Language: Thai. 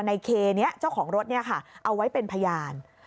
ในเคนี้เจ้าของรถเอาไว้เป็นพยาน